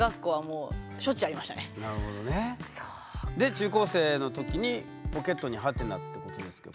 中高生の時にポケットに？ってことですけど